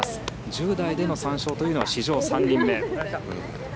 １０代での３勝というのは史上３人目。